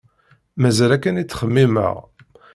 Mazal akken i ttxemmimeɣ.